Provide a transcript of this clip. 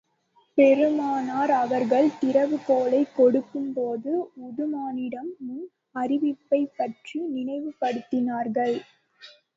பெருமானார் அவர்கள் திறவு கோலைக் கொடுக்கும் போது உதுமானிடம் முன் அறிவிப்பைப் பற்றி நினைவு படுத்தினார்கள்.